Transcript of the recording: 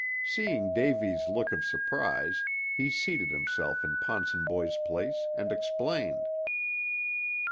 Seeing Davy's look of surprise, he seated himself in Ponsonboy's place, and explained.